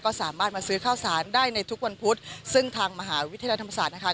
ก็สามารถมาซื้อข้าวสารได้ในทุกวันพุธซึ่งทางมหาวิทยาลัยธรรมศาสตร์นะคะ